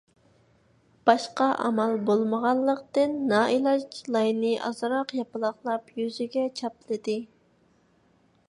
باشقا ئامال بولمىغانلىقتىن، نائىلاج لاينى ئازراق ياپىلاقلاپ يۈزىگە چاپلىدى.